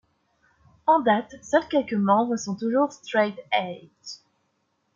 En date, seuls quelques membres sont toujours straight edge.